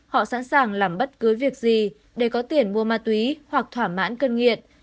họ sẵn sàng làm bất cứ việc gì để có tiền mua ma túy hoặc thỏa mãn cân nghiện